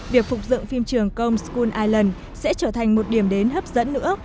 việc phục dựng phim trường công school island sẽ trở thành một điểm đến hấp dẫn nữa